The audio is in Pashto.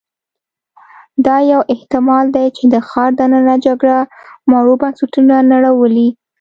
دا یو احتمال دی چې د ښار دننه جګړه مارو بنسټونه نړولي